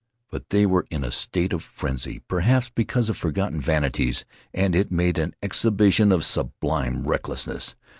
But they were in a state of frenzy, perhaps because of forgotten vanities, and it made an exhibition of sublime recklessness.